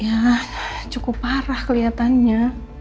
ya cukup parah kelihatannya